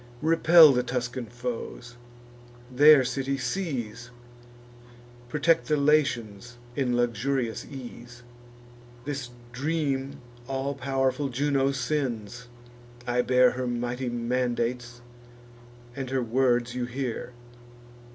Repel the Tuscan foes; their city seize; Protect the Latians in luxurious ease. This dream all pow'rful Juno sends; I bear Her mighty mandates, and her words you hear.